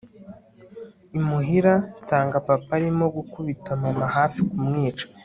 imuhira nsanga papa arimo gukubita mama hafi kumwica